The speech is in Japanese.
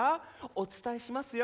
お伝えしますよ。